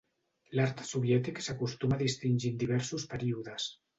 L'art soviètic s'acostuma a distingir en diversos períodes.